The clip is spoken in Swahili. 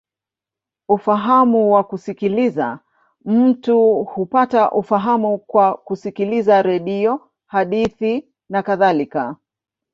Ufahamu wa kusikiliza: mtu hupata ufahamu kwa kusikiliza redio, hadithi, nakadhalika.